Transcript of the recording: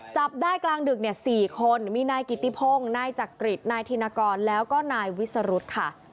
จับได้กลางดึกเนี่ย๔คนมีนายกิติพงศ์นายจักริตนายธินกรแล้วก็นายวิสรุธค่ะ